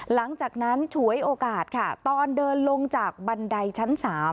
หลังจากนั้นฉวยโอกาสค่ะตอนเดินลงจากบันไดชั้น๓